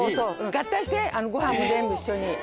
合体してごはんも全部一緒に。